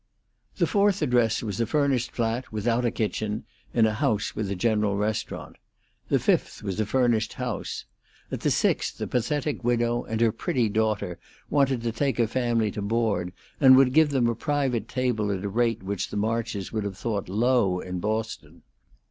The fourth address was a furnished flat without a kitchen, in a house with a general restaurant. The fifth was a furnished house. At the sixth a pathetic widow and her pretty daughter wanted to take a family to board, and would give them a private table at a rate which the Marches would have thought low in Boston.